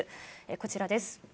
こちらです。